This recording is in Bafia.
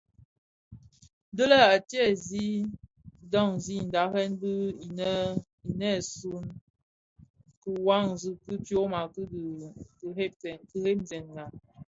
Dhi lè a teezi dyaňdi mbèrèn bi inèsun kiwasi ki tyoma kö dhi kiremzèna.